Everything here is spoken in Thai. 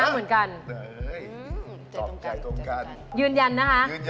โปรดติดตามต่อไป